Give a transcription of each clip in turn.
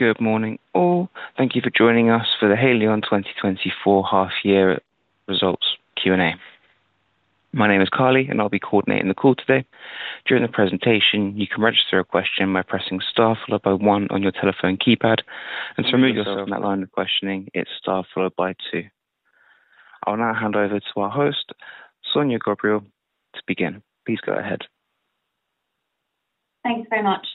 Good morning, all. Thank you for joining us for the Haleon 2024 half year results Q&A. My name is Carly, and I'll be coordinating the call today. During the presentation, you can register a question by pressing star followed by one on your telephone keypad, and to remove yourself from that line of questioning, it's star followed by two. I'll now hand over to our host, Sonya Ghobrial, to begin. Please go ahead. Thanks very much.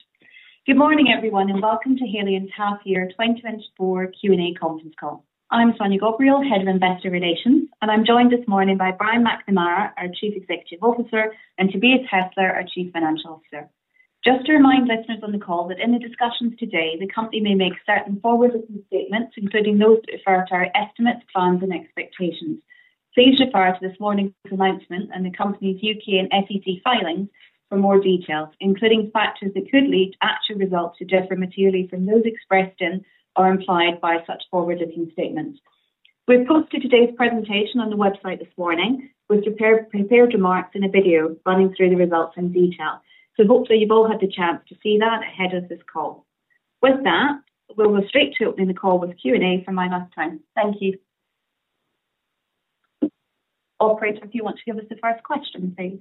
Good morning, everyone, and welcome to Haleon's half year 2024 Q&A conference call. I'm Sonya Ghobrial, Head of Investor Relations, and I'm joined this morning by Brian McNamara, our Chief Executive Officer, and Tobias Hestler, our Chief Financial Officer. Just to remind listeners on the call that in the discussions today, the company may make certain forward-looking statements, including those that refer to our estimates, plans, and expectations. Please refer to this morning's announcement and the company's UK and SEC filings for more details, including factors that could lead actual results to differ materially from those expressed in or implied by such forward-looking statements. We've posted today's presentation on the website this morning, with prepared remarks in a video running through the results in detail. So hopefully, you've all had the chance to see that ahead of this call. With that, we'll go straight to opening the call with Q&A for my last time. Thank you. Operator, if you want to give us the first question, please.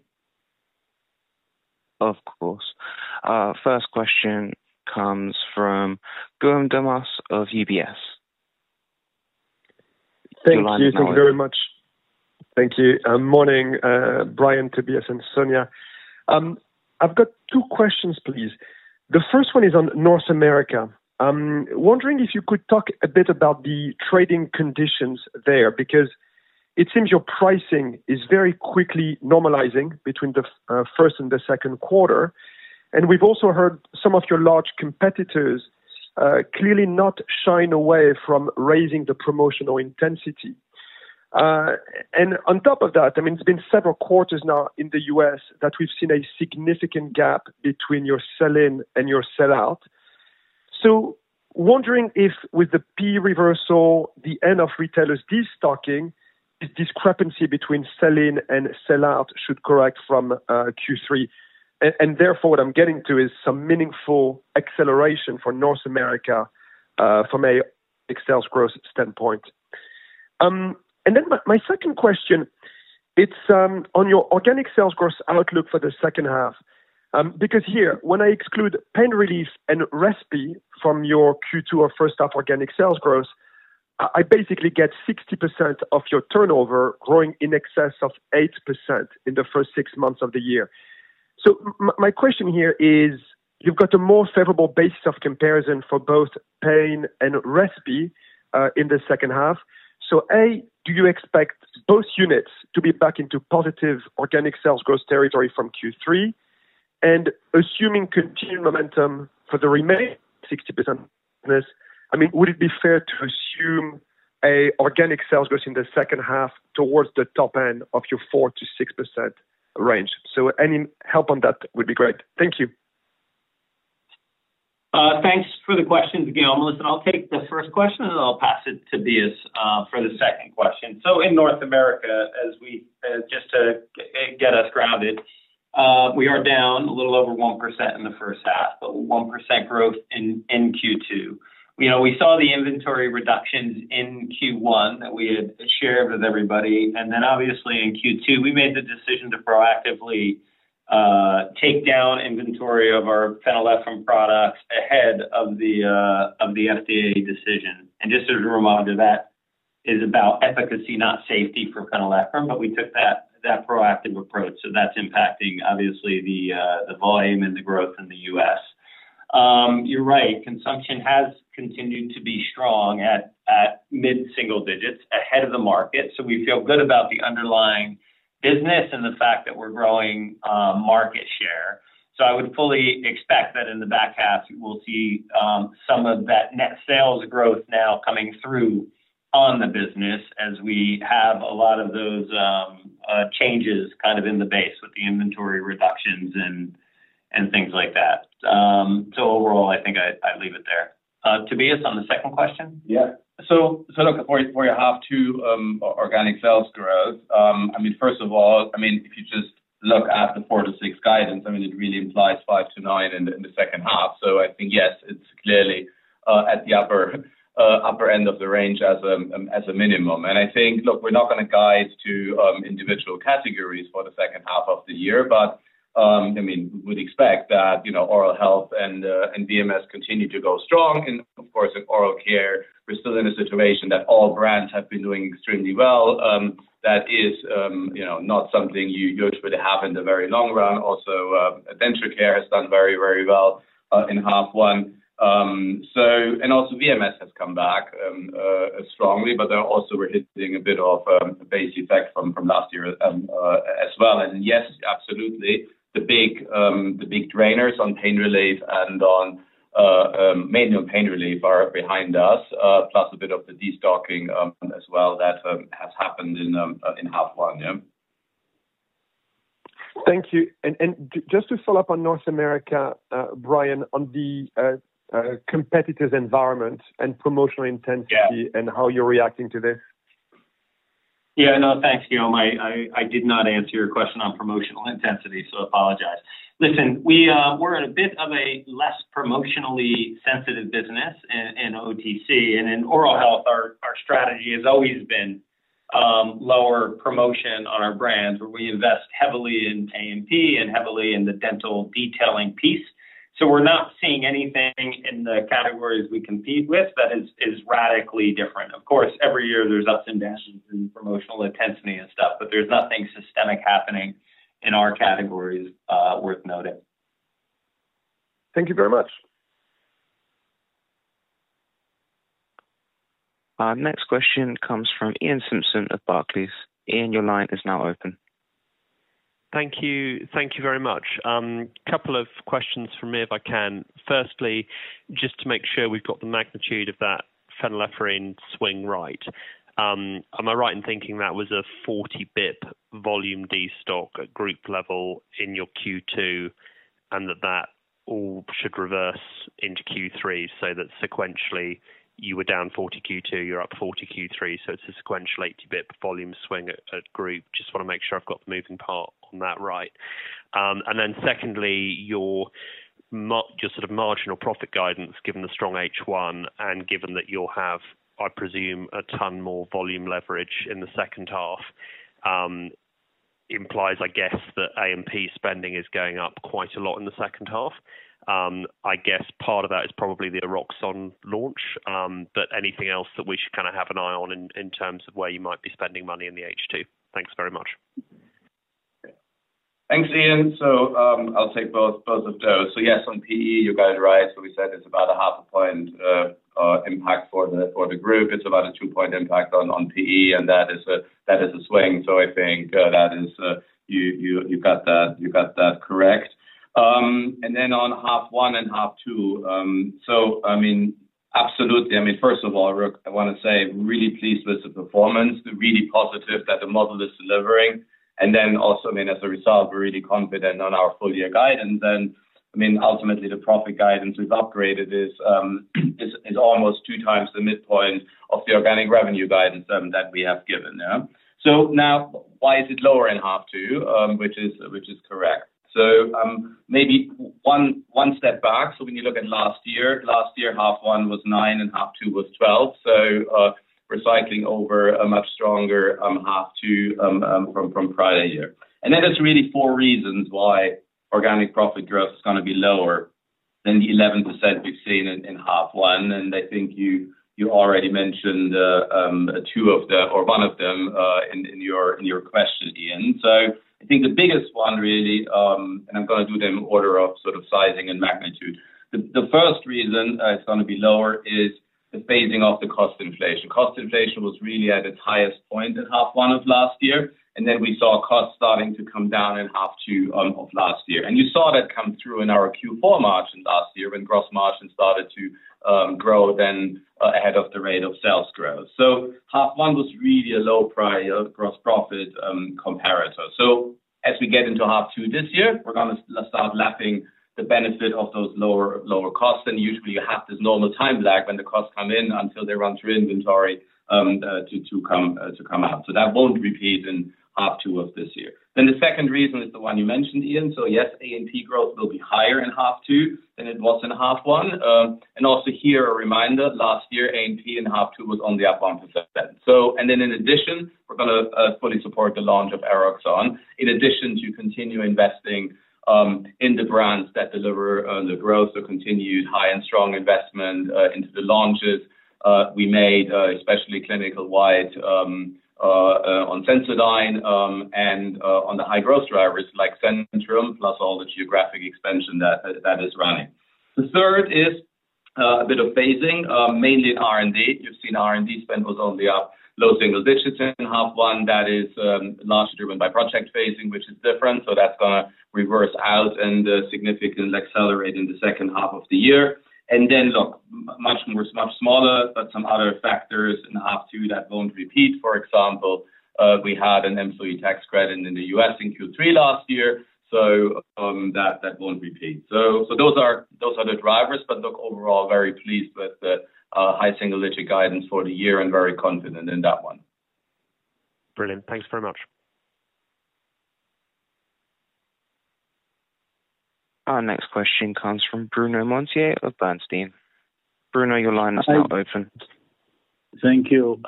Of course. First question comes from Guillaume Delmas of UBS. Thank you very much. Thank you. Morning, Brian, Tobias, and Sonya. I've got two questions, please. The first one is on North America. Wondering if you could talk a bit about the trading conditions there, because it seems your pricing is very quickly normalizing between the first and the second quarter. And we've also heard some of your large competitors clearly not shying away from raising the promotional intensity. And on top of that, I mean, it's been several quarters now in the US that we've seen a significant gap between your sell-in and your sell-out. So wondering if with the PE reversal, the end of retailers destocking, this discrepancy between sell-in and sell-out should correct from Q3. And therefore, what I'm getting to is some meaningful acceleration for North America from a sales growth standpoint. And then my second question, it's on your organic sales growth outlook for the second half. Because here, when I exclude Pain Relief and Respiratory from your Q2 or first half organic sales growth, I basically get 60% of your turnover growing in excess of 8% in the first six months of the year. My question here is: you've got a more favorable basis of comparison for both Pain Relief and Respiratory in the second half. So, A, do you expect both units to be back into positive organic sales growth territory from Q3? And assuming continued momentum for the remaining 60%, I mean, would it be fair to assume an organic sales growth in the second half towards the top end of your 4%-6% range? Any help on that would be great. Thank you. Thanks for the question, Guillaume. Listen, I'll take the first question, and then I'll pass it to Tobias for the second question. So in North America, just to get us grounded, we are down a little over 1% in the first half, but 1% growth in Q2. You know, we saw the inventory reductions in Q1 that we had shared with everybody, and then obviously in Q2, we made the decision to proactively take down inventory of our phenylephrine products ahead of the FDA decision. And just as a reminder, that is about efficacy, not safety for phenylephrine, but we took that proactive approach, so that's impacting obviously the volume and the growth in the U.S. You're right, consumption has continued to be strong at mid-single digits ahead of the market, so we feel good about the underlying business and the fact that we're growing market share. So I would fully expect that in the back half, we'll see some of that net sales growth now coming through on the business as we have a lot of those changes kind of in the base with the inventory reductions and things like that. So overall, I think I'd leave it there. Tobias, on the second question? Yeah. So, so look, for, for half two, organic sales growth, I mean, first of all, I mean, if you just look at the 4-6 guidance, I mean, it really implies 5-9 in the second half. So I think, yes, it's clearly at the upper end of the range as a minimum. And I think, look, we're not gonna guide to individual categories for the second half of the year, but, I mean, we would expect that, you know, oral health and VMS continue to go strong. And of course, in oral care, we're still in a situation that all brands have been doing extremely well. That is, you know, not something you usually have in the very long run. Also, denture care has done very, very well in half one. So and also VMS has come back strongly, but they're also, we're hitting a bit of base effect from last year as well. And yes, absolutely, the big, the big drainers on pain relief and on mainly on pain relief are behind us, plus a bit of the destocking as well that has happened in half one, yeah. Thank you. And just to follow up on North America, Brian, on the competitors' environment and promotional intensity- Yeah. and how you're reacting to this? ... Yeah, no, thanks, Guillaume. I did not answer your question on promotional intensity, so I apologize. Listen, we're in a bit of a less promotionally sensitive business in OTC, and in oral health, our strategy has always been lower promotion on our brands, where we invest heavily in A&P and heavily in the dental detailing piece. So we're not seeing anything in the categories we compete with that is radically different. Of course, every year there's ups and downs in promotional intensity and stuff, but there's nothing systemic happening in our categories worth noting. Thank you very much. Next question comes from Iain Simpson of Barclays. Iain, your line is now open. Thank you. Thank you very much. Couple of questions from me, if I can. Firstly, just to make sure we've got the magnitude of that phenylephrine swing right. Am I right in thinking that was a 40 bips volume destock at group level in your Q2, and that, that all should reverse into Q3, so that sequentially you were down 40 Q2, you're up 40 Q3, so it's a sequential 80 bips volume swing at group? Just wanna make sure I've got the moving part on that right. And then secondly, your sort of marginal profit guidance, given the strong H1 and given that you'll have, I presume, a ton more volume leverage in the second half, implies, I guess, that A&P spending is going up quite a lot in the second half. I guess part of that is probably the Eroxon launch, but anything else that we should kinda have an eye on in terms of where you might be spending money in the H2? Thanks very much. Thanks, Iain. So, I'll take both, both of those. So yes, on PE, you're got it right. So we said it's about 0.5 point impact for the, for the group. It's about a 2-point impact on, on PE, and that is a, that is a swing. So I think, that is, you, you, you got that, you got that correct. And then on half one and half two, so I mean, absolutely. I mean, first of all, Rook, I wanna say, really pleased with the performance, really positive that the model is delivering. And then also, I mean, as a result, we're really confident on our full year guidance. And I mean, ultimately, the profit guidance we've upgraded is, is, is almost 2 times the midpoint of the organic revenue guidance, that we have given. Yeah. So now why is it lower in half two? Which is correct. So, maybe one step back. So when you look at last year, last year, half one was 9, and half two was 12. So, we're cycling over a much stronger half two from prior year. And then there's really 4 reasons why organic profit growth is gonna be lower than the 11% we've seen in half one, and I think you already mentioned two of them or one of them in your question, Iain. So I think the biggest one, really, and I'm gonna do them in order of sort of sizing and magnitude. The first reason it's gonna be lower is the phasing of the cost inflation. Cost inflation was really at its highest point in half one of last year, and then we saw costs starting to come down in half two of last year. And you saw that come through in our Q4 margin last year, when gross margin started to grow then ahead of the rate of sales growth. So half one was really a low prior gross profit comparator. So as we get into half two this year, we're gonna start lapping the benefit of those lower, lower costs. And usually, you have this normal time lag when the costs come in until they run through inventory to come out. So that won't repeat in half two of this year. Then the second reason is the one you mentioned, Iain. So yes, A&P growth will be higher in half two than it was in half one. And also here, a reminder, last year, A&P in half two was only up 1%. And then in addition, we're gonna fully support the launch of Eroxon, in addition to continue investing in the brands that deliver the growth or continued high and strong investment into the launches we made, especially Clinical White on Sensodyne, and on the high growth drivers like Centrum, plus all the geographic expansion that that is running. The third is a bit of phasing, mainly in R&D. You've seen R&D spend was only up low single digits in half one. That is largely driven by project phasing, which is different, so that's gonna reverse out and significantly accelerate in the second half of the year. And then, look, much more, much smaller, but some other factors in half two that won't repeat. For example, we had an employee tax credit in the U.S. in Q3 last year, so that won't repeat. So those are the drivers, but look, overall, very pleased with the high single-digit guidance for the year and very confident in that one. Brilliant. Thanks very much. Our next question comes from Bruno Monteyne of Bernstein. Bruno, your line is now open. Thank you.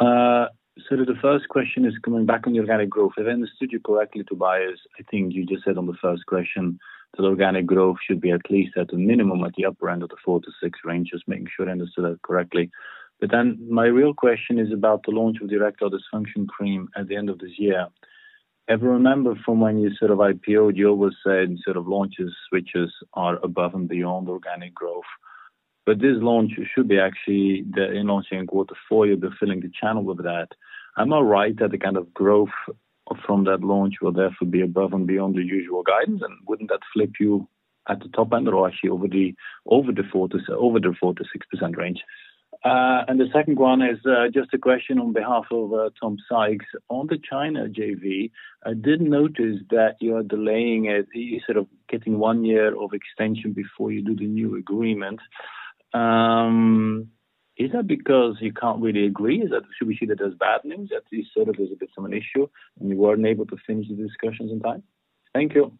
So the first question is coming back on the organic growth. If I understood you correctly, Tobias, I think you just said on the first question, that organic growth should be at least at a minimum, at the upper end of the 4-6 range. Just making sure I understood that correctly. But then my real question is about the launch of the erectile dysfunction cream at the end of this year. I remember from when you sort of IPO'd, you always said, sort of launches, which is, are above and beyond organic growth. But this launch should be actually the, in launching quarter four, you'll be filling the channel with that. Am I right that the kind of growth from that launch will therefore be above and beyond the usual guidance? Wouldn't that flip you at the top end, or actually over the 4%-6% range? The second one is just a question on behalf of Tom Sykes. On the China JV, I did notice that you are delaying it. You're sort of getting one year of extension before you do the new agreement.... is that because you can't really agree? Is that—should we see that as bad news, that this sort of is a bit of an issue, and you weren't able to finish the discussions in time? Thank you.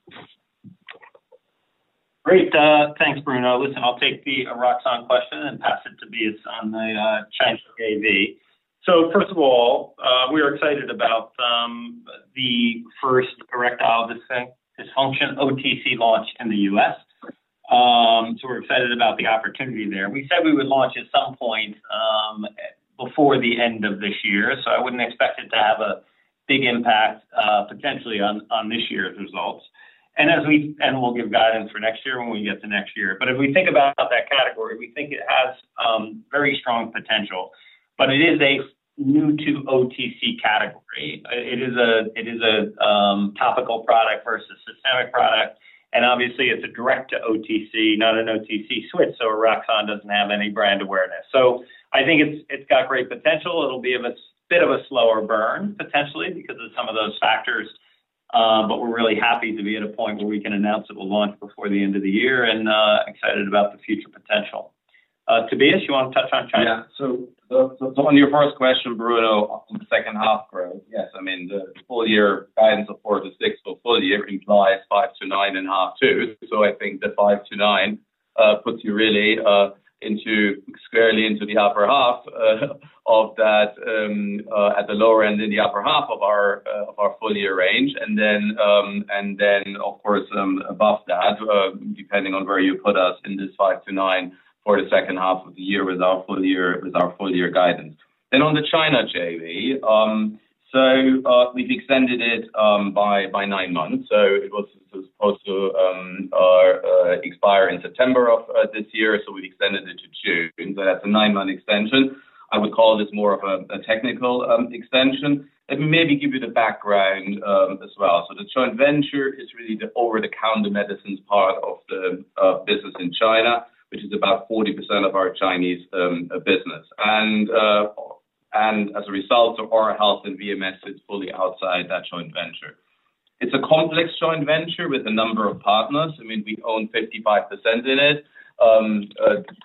Great, thanks, Bruno. Listen, I'll take the eroxon question and pass it to Tobias on the China JV. So first of all, we are excited about the first erectile dysfunction OTC launch in the U.S. So we're excited about the opportunity there. We said we would launch at some point before the end of this year, so I wouldn't expect it to have a big impact potentially on this year's results. And we'll give guidance for next year when we get to next year. But if we think about that category, we think it has very strong potential. But it is a new to OTC category. It is a topical product versus systemic product, and obviously it's a direct to OTC, not an OTC switch, so Eroxon doesn't have any brand awareness. So I think it's got great potential. It'll be a bit of a slower burn, potentially, because of some of those factors. But we're really happy to be at a point where we can announce it will launch before the end of the year and excited about the future potential. Tobias, you want to touch on China? Yeah. So on your first question, Bruno, on the second half growth. Yes, I mean, the full year guidance of 4-6 for full year implies 5-9 in half two. So I think the 5-9 puts you really squarely into the upper half of that at the lower end in the upper half of our full year range. And then, of course, above that, depending on where you put us in this 5-9 for the second half of the year with our full year guidance. Then on the China JV, so we've extended it by 9 months. So it was supposed to expire in September of this year, so we extended it to June. So that's a 9-month extension. I would call this more of a technical extension. Let me maybe give you the background, as well. So the joint venture is really the over-the-counter medicines part of the business in China, which is about 40% of our Chinese business. And as a result of our health and VMS, it's fully outside that joint venture. It's a complex joint venture with a number of partners. I mean, we own 55% in it.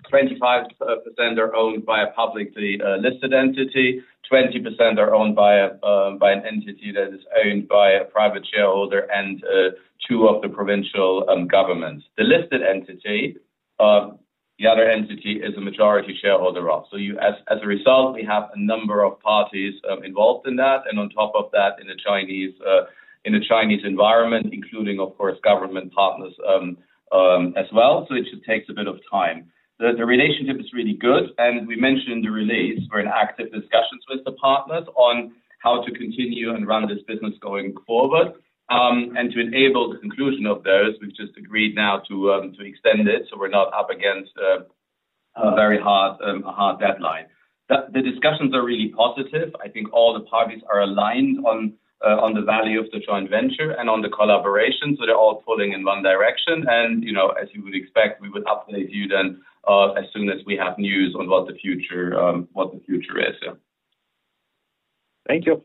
Twenty-five percent are owned by a publicly listed entity, 20% are owned by an entity that is owned by a private shareholder, and two of the provincial governments. The listed entity, the other entity is a majority shareholder of. So, as a result, we have a number of parties involved in that, and on top of that, in the Chinese environment, including, of course, government partners, as well. So it just takes a bit of time. The relationship is really good, and we mentioned in the release, we're in active discussions with the partners on how to continue and run this business going forward. To enable the conclusion of those, we've just agreed now to extend it, so we're not up against a very hard deadline. The discussions are really positive. I think all the parties are aligned on the value of the joint venture and on the collaboration, so they're all pulling in one direction. You know, as you would expect, we would update you then, as soon as we have news on what the future, what the future is, yeah. Thank you.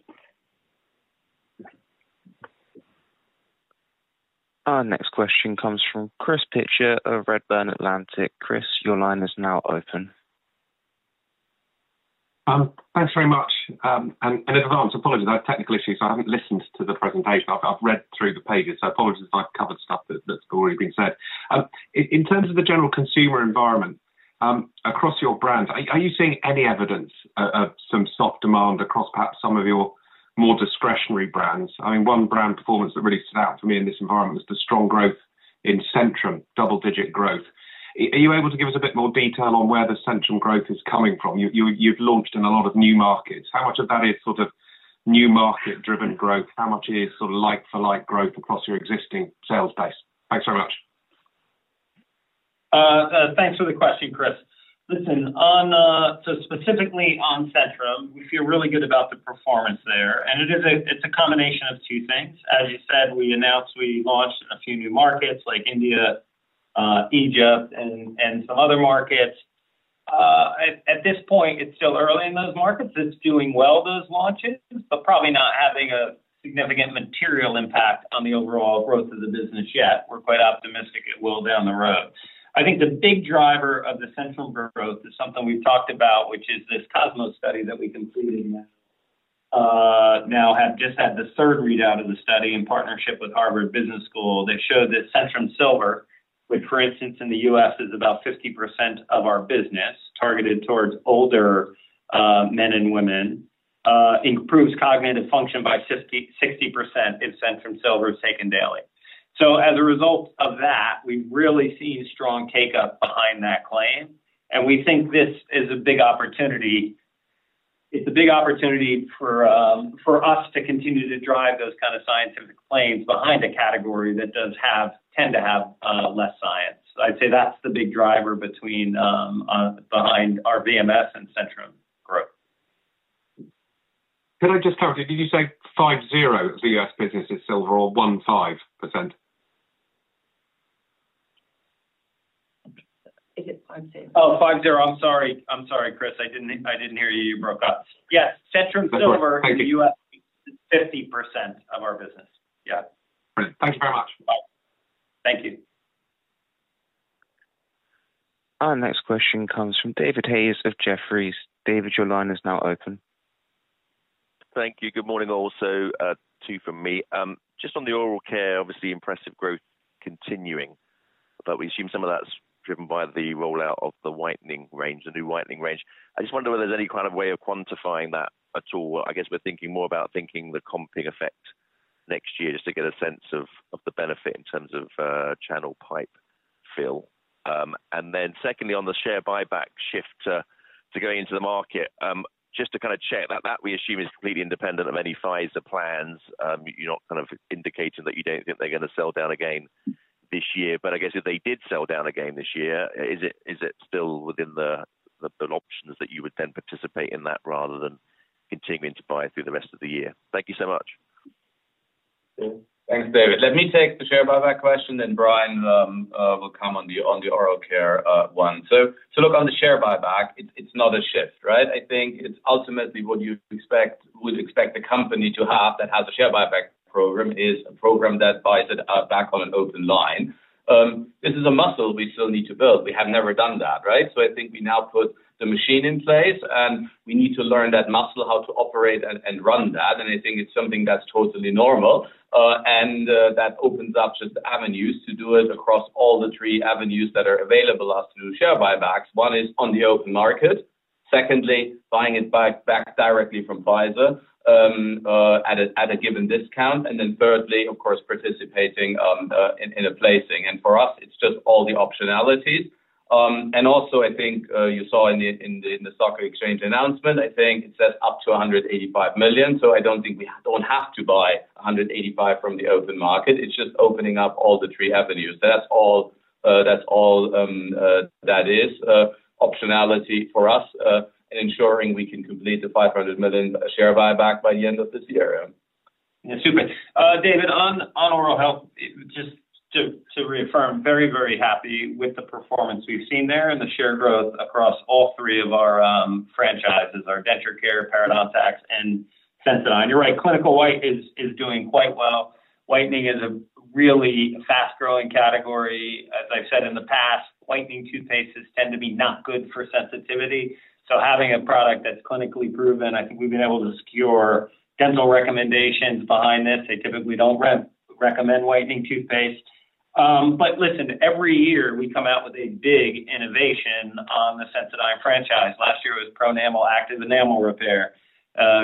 Our next question comes from Chris Pitcher of Redburn Atlantic. Chris, your line is now open. Thanks very much. And advance apologies, I have technical issues, so I haven't listened to the presentation. I've read through the pages, so apologies if I've covered stuff that's already been said. In terms of the general consumer environment, across your brands, are you seeing any evidence of some soft demand across perhaps some of your more discretionary brands? I mean, one brand performance that really stood out for me in this environment is the strong growth in Centrum, double-digit growth. Are you able to give us a bit more detail on where the Centrum growth is coming from? You've launched in a lot of new markets. How much of that is sort of new market-driven growth? How much is sort of like-for-like growth across your existing sales base? Thanks so much. Thanks for the question, Chris. Listen, on, so specifically on Centrum, we feel really good about the performance there, and it is it's a combination of two things. As you said, we announced we launched a few new markets, like India, Egypt and some other markets. At this point, it's still early in those markets. It's doing well, those launches, but probably not having a significant material impact on the overall growth of the business yet. We're quite optimistic it will down the road. I think the big driver of the Centrum growth is something we've talked about, which is this COSMOS study that we completed, now have just had the third readout of the study in partnership with Harvard Business School, that showed that Centrum Silver, which, for instance, in the US, is about 50% of our business targeted towards older men and women, improves cognitive function by 50%-60% if Centrum Silver is taken daily. So as a result of that, we've really seen strong take-up behind that claim, and we think this is a big opportunity. It's a big opportunity for us to continue to drive those kind of scientific claims behind a category that tends to have less science. I'd say that's the big driver behind our VMS and Centrum growth. Can I just clarify, did you say 5.0, the U.S. business is 5.0 or 1.5%? I think it's 50. Oh, 5, 0. I'm sorry. I'm sorry, Chris. I didn't, I didn't hear you. You broke up. Yes, Centrum Silver- Thank you.... 50% of our business. Yeah. Great. Thank you very much. Bye. Thank you. Our next question comes from David Hayes of Jefferies. David, your line is now open. Thank you. Good morning, also, two from me. Just on the oral care, obviously impressive growth continuing, but we assume some of that's driven by the rollout of the whitening range, the new whitening range. I just wonder whether there's any kind of way of quantifying that at all. I guess we're thinking more about thinking the comping effect next year, just to get a sense of the benefit in terms of channel pipe fill. And then secondly, on the share buyback shift to going into the market, just to kind of check that we assume is completely independent of any Pfizer plans. You're not kind of indicating that you don't think they're gonna sell down again this year. But I guess if they did sell down again this year, is it still within the options that you would then participate in that rather than continuing to buy through the rest of the year? Thank you so much. Thanks, David. Let me take the share buyback question, then Brian will come on the oral care one. So look, on the share buyback, it's not a shift, right? I think it's ultimately what you expect would expect the company to have, that has a share buyback program, is a program that buys it back on an open line. This is a muscle we still need to build. We have never done that, right? So I think we now put the machine in place, and we need to learn that muscle, how to operate and run that. And I think it's something that's totally normal, and that opens up just avenues to do it across all the three avenues that are available as to do share buybacks. One is on the open market. Secondly, buying it back directly from Pfizer at a given discount. And then thirdly, of course, participating in a placing. And for us, it's just all the optionalities. And also, I think you saw in the stock exchange announcement, I think it says up to 185 million. So I don't think we don't have to buy 185 from the open market. It's just opening up all the three avenues. That's all, that's all, that is optionality for us in ensuring we can complete the 500 million share buyback by the end of this year. Yeah, super. David, on oral health, just to reaffirm, very, very happy with the performance we've seen there and the share growth across all three of our franchises, our denture care, Parodontax, and Sensodyne. You're right, Clinical White is doing quite well. Whitening is a really fast-growing category. As I've said in the past, whitening toothpastes tend to be not good for sensitivity. So having a product that's clinically proven, I think we've been able to secure dental recommendations behind this. They typically don't recommend whitening toothpaste. But listen, every year we come out with a big innovation on the Sensodyne franchise. Last year, it was Pronamel Active Enamel Repair.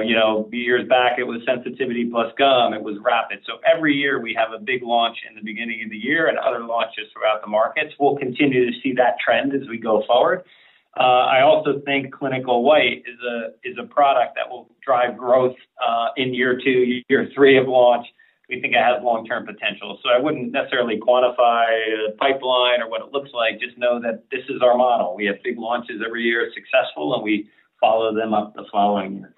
You know, a few years back, it was Sensitivity Plus Gum, it was Rapid. So every year we have a big launch in the beginning of the year and other launches throughout the markets. We'll continue to see that trend as we go forward. I also think Clinical White is a, is a product that will drive growth, in year two, year three of launch. We think it has long-term potential. So I wouldn't necessarily quantify a pipeline or what it looks like, just know that this is our model. We have big launches every year, successful, and we follow them up the following year.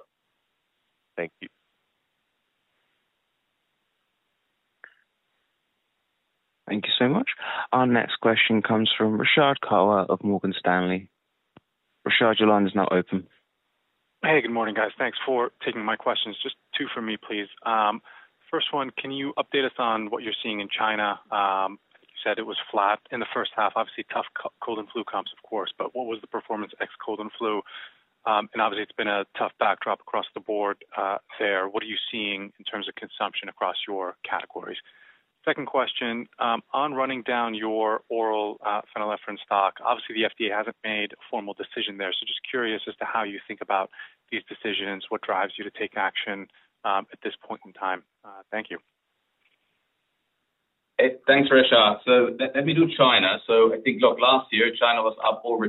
Thank you. Thank you so much. Our next question comes from Rashad Kawan of Morgan Stanley. Rishad, your line is now open. Hey, good morning, guys. Thanks for taking my questions. Just two for me, please. First one, can you update us on what you're seeing in China? You said it was flat in the first half. Obviously, tough cold and flu comps, of course, but what was the performance ex cold and flu? And obviously, it's been a tough backdrop across the board, there. What are you seeing in terms of consumption across your categories? Second question, on running down your oral phenylephrine stock. Obviously, the FDA hasn't made a formal decision there, so just curious as to how you think about these decisions, what drives you to take action, at this point in time? Thank you. Hey, thanks, Rashad. So let me do China. So I think, look, last year, China was up over 20%.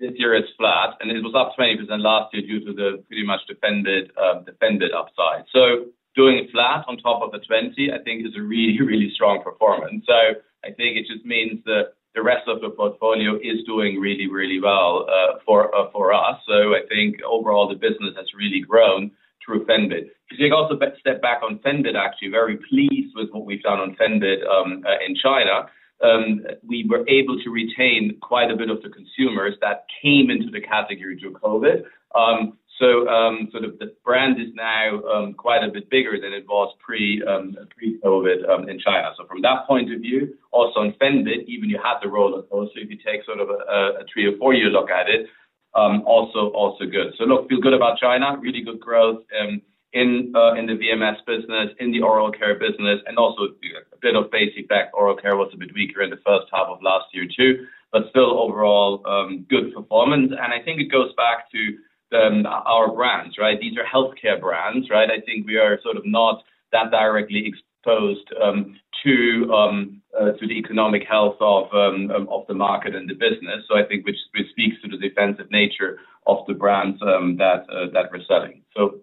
This year it's flat, and it was up 20% last year due to the pretty much defended, defended upside. So doing it flat on top of the 20, I think, is a really, really strong performance. So I think it just means that the rest of the portfolio is doing really, really well, for, for us. So I think overall, the business has really grown through Fenbid. To take also a step back on Fenbid, actually, very pleased with what we've done on Fenbid, in China. We were able to retain quite a bit of the consumers that came into the category through COVID. So, sort of the brand is now q butuite a bit bigger than it was pre-COVID in China. So from that point of view, also in Fenbid, even you had the role of... Also, if you take sort of a three or four-year look at it, also good. So look, feel good about China, really good growth in the VMS business, in the oral care business, and also a bit of basic back oral care was a bit weaker in the first half of last year, too, but still overall, good performance. And I think it goes back to our brands, right? These are healthcare brands, right? I think we are sort of not that directly exposed to the economic health of the market and the business. So I think which speaks to the defensive nature of the brands, that we're selling. So-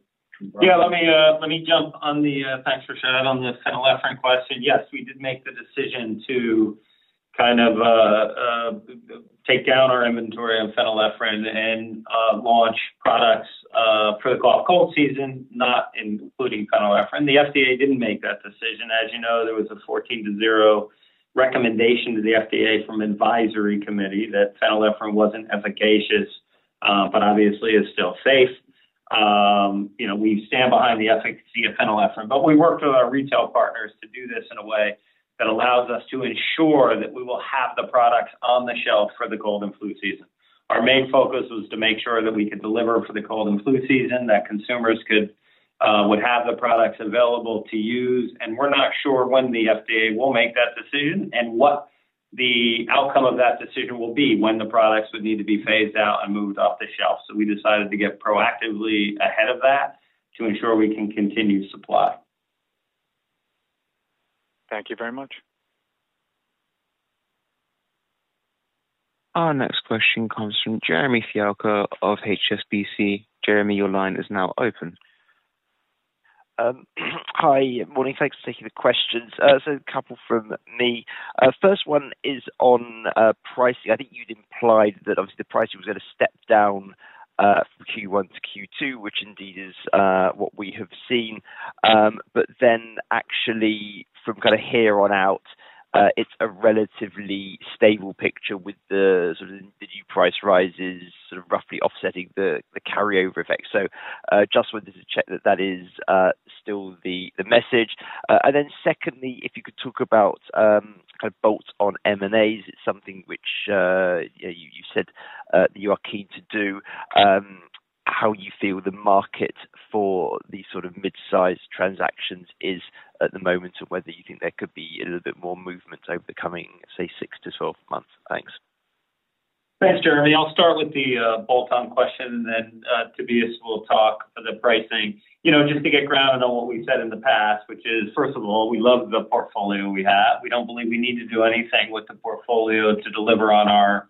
Yeah, let me, let me jump on the... Thanks, Rashad, on the phenylephrine question. Yes, we did make the decision to kind of, take down our inventory on phenylephrine and, launch products, for the cold season, not including phenylephrine. The FDA didn't make that decision. As you know, there was a 14-to-0 recommendation to the FDA from advisory committee that phenylephrine wasn't efficacious, but obviously is still safe. You know, we stand behind the efficacy of phenylephrine, but we worked with our retail partners to do this in a way that allows us to ensure that we will have the products on the shelf for the cold and flu season. Our main focus was to make sure that we could deliver for the cold and flu season, that consumers could, would have the products available to use. We're not sure when the FDA will make that decision and what the outcome of that decision will be, when the products would need to be phased out and moved off the shelf. We decided to get proactively ahead of that to ensure we can continue to supply. Thank you very much. Our next question comes from Jeremy Fialko of HSBC. Jeremy, your line is now open. Hi, morning. Thanks for taking the questions. So a couple from me. First one is on pricing. I think you'd implied that obviously the pricing was gonna step down Q1 to Q2, which indeed is what we have seen. But then actually from kinda here on out, it's a relatively stable picture with the sort of the new price rises, sort of roughly offsetting the carry over effect. So just wanted to check that that is still the message. And then secondly, if you could talk about kind of bolt-on M&As, it's something which yeah, you said you are keen to do. How you feel the market for these sort of mid-sized transactions is at the moment, and whether you think there could be a little bit more movement over the coming, say, 6-12 months? Thanks. Thanks, Jeremy. I'll start with the bolt-on question, and then Tobias will talk for the pricing. You know, just to get grounded on what we've said in the past, which is, first of all, we love the portfolio we have. We don't believe we need to do anything with the portfolio to deliver on our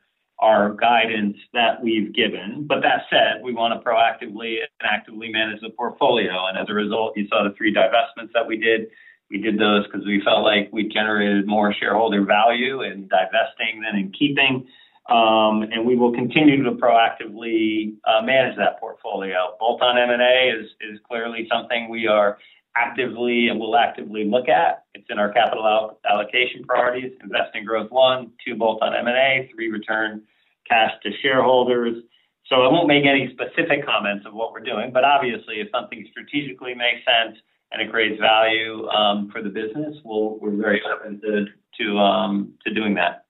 guidance that we've given. But that said, we wanna proactively and actively manage the portfolio, and as a result, you saw the three divestments that we did. We did those 'cause we felt like we generated more shareholder value in divesting than in keeping. And we will continue to proactively manage that portfolio. Bolt-on M&A is clearly something we are actively and will actively look at. It's in our capital allocation priorities, invest in growth one, two, bolt-on M&A, three, return cash to shareholders. I won't make any specific comments on what we're doing, but obviously, if something strategically makes sense and it creates value for the business, we're very open to doing that.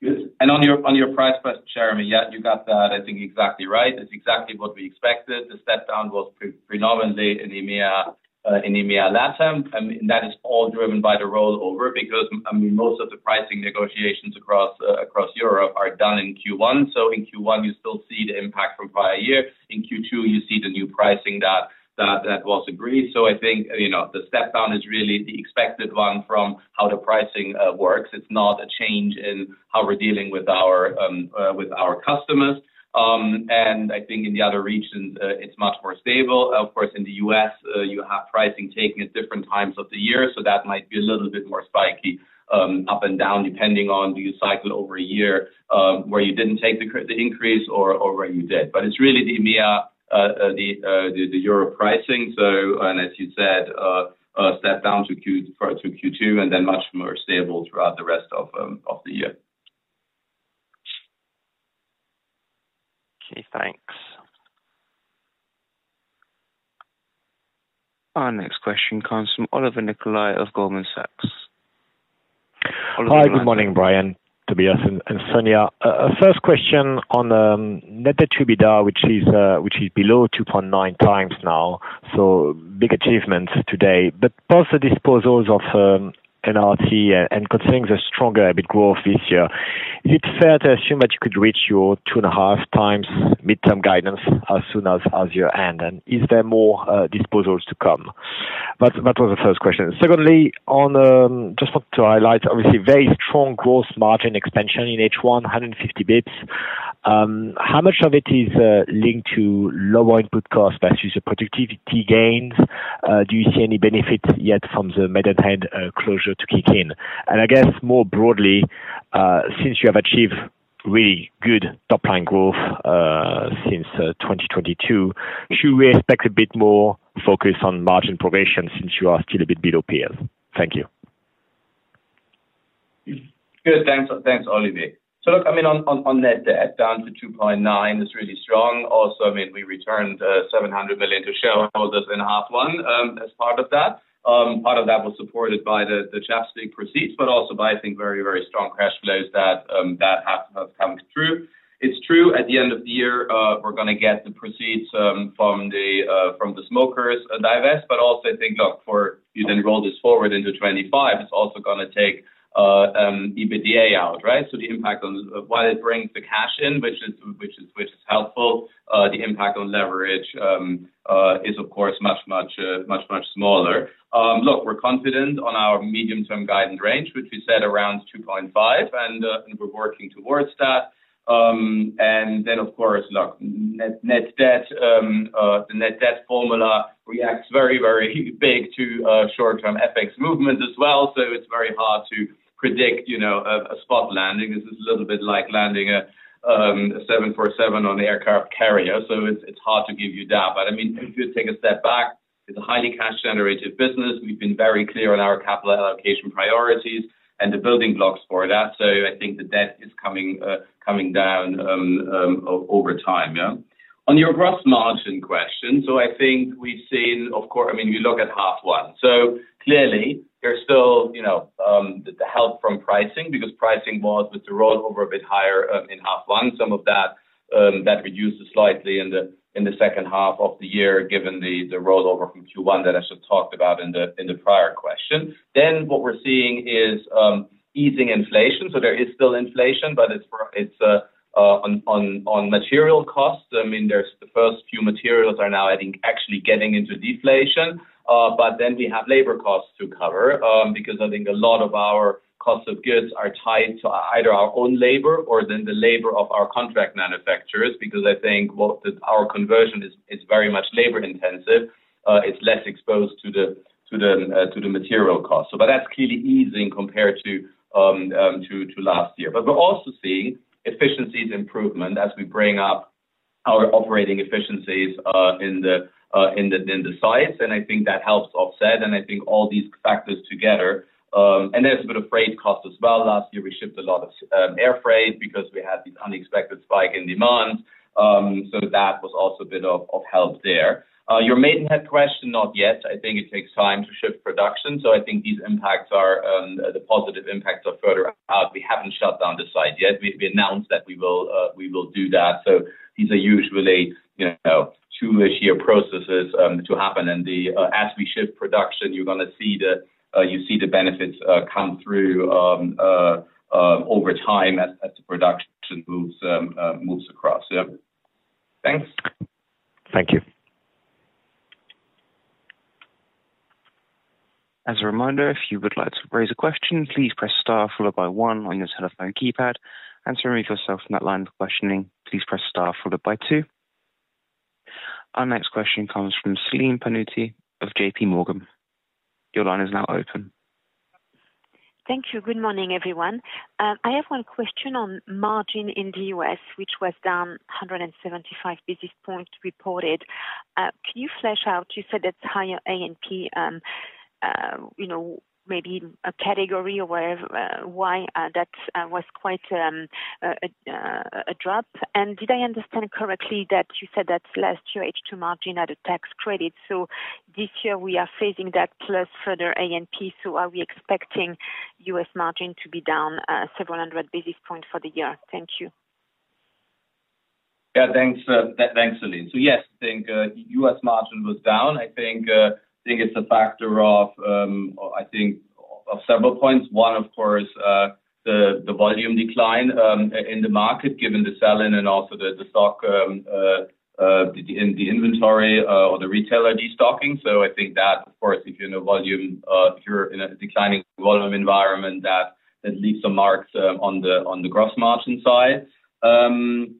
Good. And on your price question, Jeremy, yeah, you got that, I think, exactly right. It's exactly what we expected. The step down was predominantly in EMEA last time, and that is all driven by the rollover, because, I mean, most of the pricing negotiations across Europe are done in Q1. So in Q1, you still see the impact from prior year. In Q2, you see the new pricing that was agreed. So I think, you know, the step down is really the expected one from how the pricing works. It's not a change in how we're dealing with our customers. And I think in the other regions, it's much more stable. Of course, in the US, you have pricing taking at different times of the year, so that might be a little bit more spiky, up and down, depending on do you cycle over a year, where you didn't take the cr- the increase or, or where you did. But it's really the EMEA, the Euro pricing. So, and as you said, a step down to Q4, to Q2, and then much more stable throughout the rest of, of the year. Okay, thanks. Our next question comes from Olivier Nicolai of Goldman Sachs. Olivier Nicolai. Hi, good morning, Brian, Tobias, and Sonya. First question on net debt EBITDA, which is below 2.9 times now, so big achievement today. But post the disposals of NRT and considering the stronger EBIT growth this year, is it fair to assume that you could reach your 2.5 times midterm guidance as soon as year-end? And is there more disposals to come? That was the first question. Second, just want to highlight, obviously, very strong gross margin expansion in H1, 150 basis points. How much of it is linked to lower input costs versus the productivity gains? Do you see any benefit yet from the Maidenhead closure to kick in? I guess more broadly, since you have achieved really good top line growth since 2022, should we expect a bit more focus on margin progression since you are still a bit below peers? Thank you. Good. Thanks. Thanks, Oliver. So look, I mean, on net debt down to 2.9 is really strong. Also, I mean, we returned 700 million to shareholders in half one as part of that. Part of that was supported by the ChapStick proceeds, but also by, I think, very, very strong cash flows that have come through. It's true, at the end of the year, we're gonna get the proceeds from the smokers divest, but also I think, look, for you then roll this forward into 2025, it's also gonna take EBITDA out, right? So the impact on... While it brings the cash in, which is helpful, the impact on leverage is of course much, much smaller. Look, we're confident on our medium-term guidance range, which we set around 2.5, and, and we're working towards that. And then, of course, look, net, net debt, the net debt formula reacts very, very big to, short-term FX movement as well, so it's very hard to predict, you know, a, a spot landing. This is a little bit like landing a, a 747 on an aircraft carrier, so it's, it's hard to give you that. But, I mean, if you take a step back. It's a highly cash generative business. We've been very clear on our capital allocation priorities and the building blocks for that. So I think the debt is coming, coming down, over time, yeah. On your gross margin question, so I think we've seen, of course, I mean, you look at half one. So clearly there's still, you know, the help from pricing, because pricing was with the rollover a bit higher in half one. Some of that that reduces slightly in the second half of the year, given the rollover from Q1 that I just talked about in the prior question. Then what we're seeing is easing inflation. So there is still inflation, but it's on material costs. I mean, there's the first few materials are now, I think, actually getting into deflation. But then we have labor costs to cover, because I think a lot of our costs of goods are tied to either our own labor or then the labor of our contract manufacturers, because I think both our conversion is very much labor intensive. It's less exposed to the material costs. So but that's clearly easing compared to last year. But we're also seeing efficiencies improvement as we bring up our operating efficiencies in the sites. And I think that helps offset, and I think all these factors together. And there's a bit of freight cost as well. Last year, we shipped a lot of air freight because we had these unexpected spike in demand. So that was also a bit of help there. Your maintenance question, not yet. I think it takes time to shift production. So I think these impacts are, the positive impacts are further out. We haven't shut down the site yet. We announced that we will do that. So these are usually, you know, two-ish year processes to happen. And as we shift production, you're gonna see the benefits come through over time as the production moves across. So thanks. Thank you. As a reminder, if you would like to raise a question, please press star followed by one on your telephone keypad, and to remove yourself from that line for questioning, please press star followed by two. Our next question comes from Celine Pannuti of JP Morgan. Your line is now open. Thank you. Good morning, everyone. I have one question on margin in the US, which was down 175 basis points reported. Can you flesh out, you said that's higher A&P, you know, maybe a category or wherever, why that was quite a drop? And did I understand correctly that you said that last year, H2 margin had a tax credit, so this year we are facing that plus further A&P, so are we expecting US margin to be down several hundred basis points for the year? Thank you. Yeah, thanks, thanks, Celine. So, yes, I think U.S. margin was down. I think it's a factor of several points. One, of course, the volume decline in the market, given the sell-in and also the stock, the inventory, or the retailer de-stocking. So I think that, of course, if you're in a declining volume environment, that it leaves some marks on the gross margin side. And,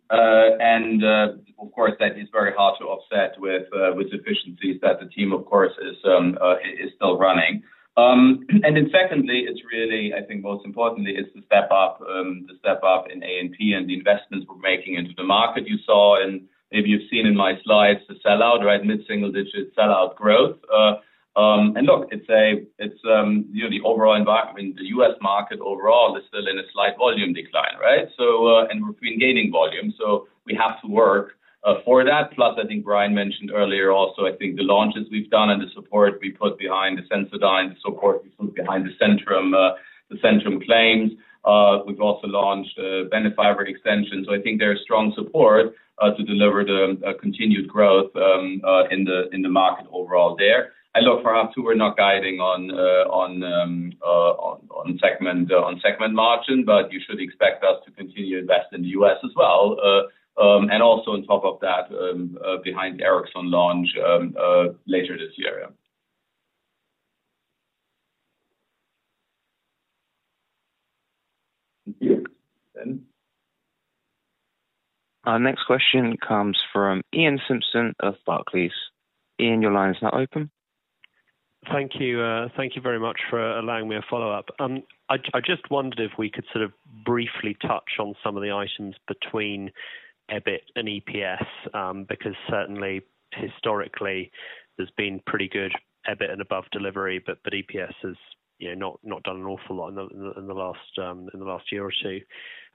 of course, that is very hard to offset with efficiencies that the team, of course, is still running. And then secondly, it's really I think most importantly, is the step up in A&P and the investments we're making into the market. You saw in, maybe you've seen in my slides, the sell-out, right? Mid-single digit sell-out growth. You know, the overall environment, the US market overall is still in a slight volume decline, right? So, we've been gaining volume, so we have to work for that. Plus, I think Brian mentioned earlier also, I think the launches we've done and the support we put behind the Sensodyne, support behind the Centrum, the Centrum claims. We've also launched Benefiber extension. So I think there is strong support to deliver the continued growth in the market overall there. I look for H2, we're not guiding on segment margin, but you should expect us to continue to invest in the US as well. Also on top of that, behind Eroxon launch later this year. Thank you. Our next question comes from Iain Simpson of Barclays. Iain, your line is now open. Thank you. Thank you very much for allowing me a follow-up. I just wondered if we could sort of briefly touch on some of the items between EBIT and EPS, because certainly historically, there's been pretty good EBIT and above delivery, but EPS has, you know, not done an awful lot in the last year or two.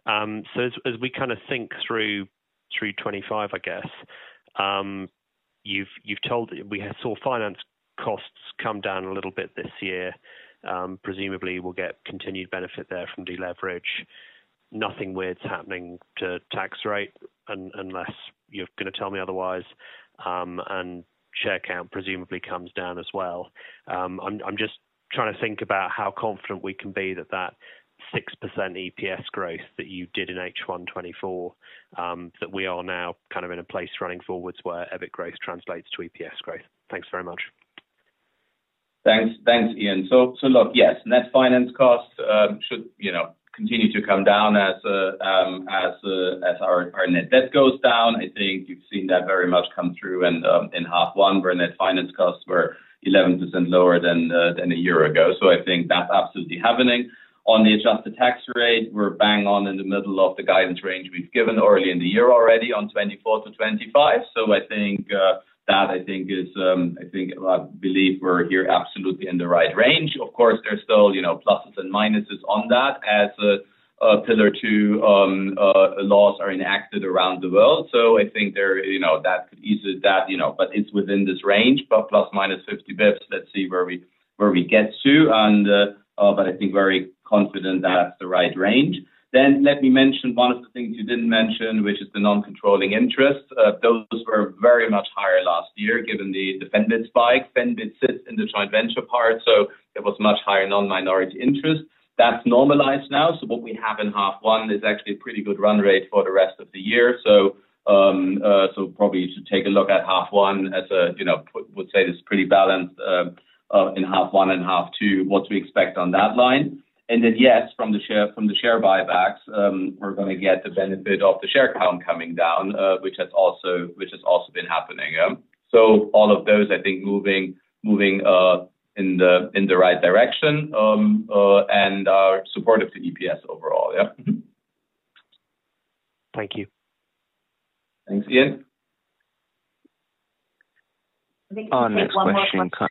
So as we kind of think through 25, I guess, you've told... We saw finance costs come down a little bit this year. Presumably we'll get continued benefit there from deleverage. Nothing weird is happening to tax rate unless you're gonna tell me otherwise, and share count presumably comes down as well. I'm just trying to think about how confident we can be that that 6% EPS growth that you did in H1 2024, that we are now kind of in a place running forwards where EBIT growth translates to EPS growth. Thanks very much. Thanks. Thanks, Iain. So look, yes, net finance costs should, you know, continue to come down as our net debt goes down. I think you've seen that very much come through in half one, where net finance costs were eleven percent lower than a year ago. So I think that's absolutely happening. On the adjusted tax rate, we're bang on in the middle of the guidance range we've given early in the year already on 24%-25%. So I think that I think is, I think I believe we're here absolutely in the right range. Of course, there's still, you know, pluses and minuses on that as Pillar Two laws are enacted around the world. So I think there, you know, that could ease it that, you know, but it's within this range, but ±50 basis points. Let's see where we get to, and, but I think very confident that's the right range. Then let me mention one of the things you didn't mention, which is the non-controlling interest. Those were very much higher last year, given the dividend spike. Dividend sits in the joint venture part, so there was much higher non-controlling interest. That's normalized now, so what we have in half one is actually a pretty good run rate for the rest of the year. So, so probably you should take a look at half one as a, you know, would say, it's pretty balanced, in half one and half two, what we expect on that line. And then, yes, from the share, from the share buybacks, we're gonna get the benefit of the share count coming down, which has also, which has also been happening. Yeah. So all of those, I think, moving, moving, in the, in the right direction, and are supportive to EPS overall. Yeah. Mm-hmm. Thank you. Thanks, Iain. Our next question. I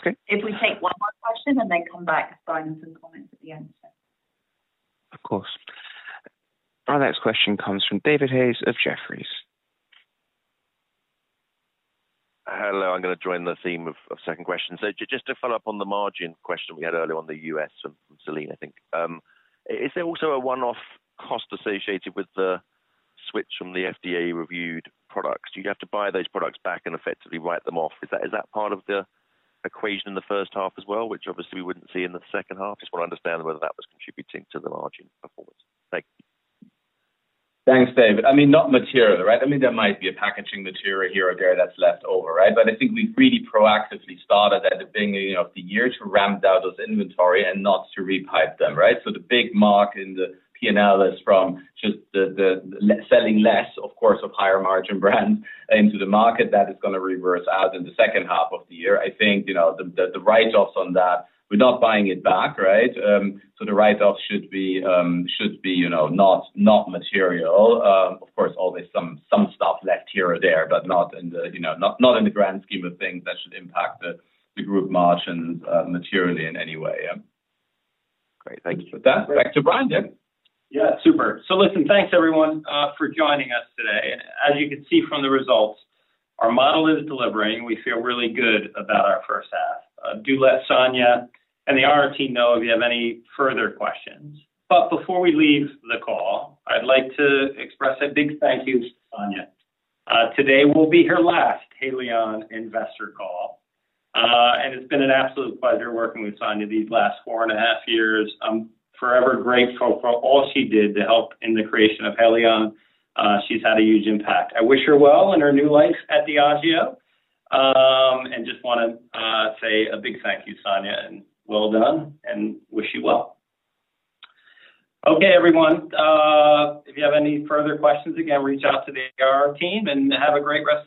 think we take one more question. Okay. If we take one more question and then come back with some comments at the end. Of course. Our next question comes from David Hayes of Jefferies. Hello, I'm gonna join the theme of second questions. So just to follow up on the margin question we had earlier on the U.S. from Celine, I think. Is there also a one-off cost associated with the switch from the FDA-reviewed products? Do you have to buy those products back and effectively write them off? Is that part of the equation in the first half as well, which obviously we wouldn't see in the second half? Just want to understand whether that was contributing to the margin performance. Thank you. Thanks, David. I mean, not material, right? I mean, there might be a packaging material here or there that's left over, right? But I think we've really proactively started at the beginning of the year to ramp down those inventory and not to replenish them, right? So the big mark in the PNL is from just the selling less, of course, of higher margin brands into the market. That is gonna reverse out in the second half of the year. I think, you know, the write-offs on that, we're not buying it back, right? So the write-off should be, you know, not material. Of course, always some stuff left here or there, but not in the, you know, not in the grand scheme of things that should impact the group margins materially in any way, yeah. Great. Thank you. With that, back to Brian then. Yeah, super. So listen, thanks, everyone, for joining us today. As you can see from the results, our model is delivering. We feel really good about our first half. Do let Sonya and the IR team know if you have any further questions. But before we leave the call, I'd like to express a big thank you to Sonya. Today will be her last Haleon investor call, and it's been an absolute pleasure working with Sonya these last four and a half years. I'm forever grateful for all she did to help in the creation of Haleon. She's had a huge impact. I wish her well in her new life at Diageo. And just wanna say a big thank you, Sonya, and well done, and wish you well. Okay, everyone, if you have any further questions, again, reach out to the IR team and have a great rest of-